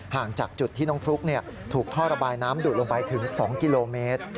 ห่างจากจุดที่น้องฟลุ๊กถูกท่อระบายน้ำดูดลงไปถึง๒กิโลเมตร